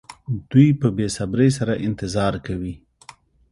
دوی په بې صبرۍ سره انتظار کوي.